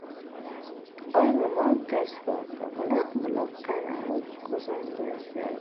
Oymomo ters bo‘ldi. Bilq-bilq qaynamish qozonga yuz berdi.